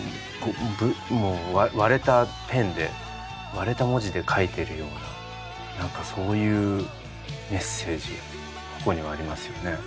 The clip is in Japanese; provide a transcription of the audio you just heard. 割れたペンで割れた文字で書いてるような何かそういうメッセージがここにはありますよね。